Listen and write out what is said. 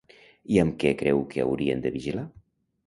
I amb què creu que haurien de vigilar?